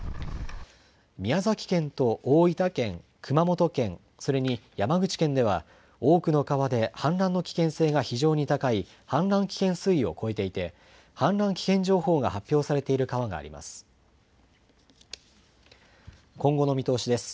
宮崎県と大分県、熊本県、それに山口県では、多くの川で氾濫の危険性が非常に高い氾濫危険水位を超えていて、氾濫危険情報が発表されている川があります。